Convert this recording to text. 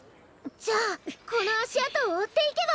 じゃあこのあしあとをおっていけば！